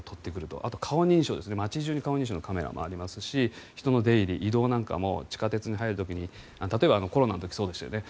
あと顔認証、街中に顔認証のカメラもありますし人の出入り、移動なんかも地下鉄に入る時に例えば、コロナの時そうでしたよね